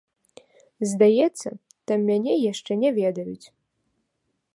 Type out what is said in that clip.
Здаецца, там мяне яшчэ не ведаюць.